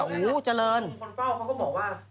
คนเฝ้าเขาก็บอกว่า